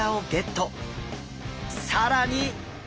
更に！